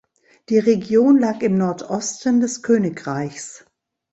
Die Region lag im Nordosten des Königreichs.